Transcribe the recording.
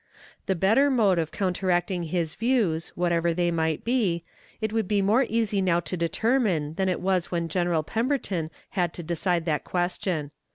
The better mode of counteracting his views, whatever they might be, it would be more easy now to determine than it was when General Pemberton had to decide that question.